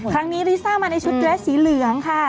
ครั้งนี้ลิซ่ามาในชุดแดร์สีเหลืองค่ะ